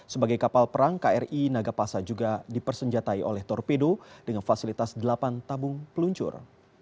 sebagai kapal perang kri nagapasa juga dipersenjatai oleh torpedo dengan fasilitas delapan tabung peluncur